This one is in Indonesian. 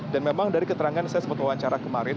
dan memang dari keterangan saya sementara wawancara kemarin